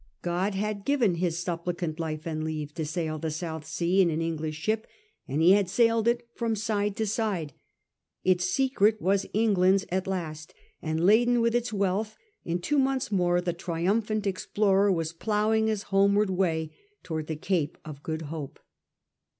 God had given His supplicant life and leave to sail the South Sea in an English ship, and he had sailed it from side to side. Its.secret was England's at last ; and, laden with its wealth, in two months more the triumphant explorer was ploughing his homeward way towards the Cape of Good Hope.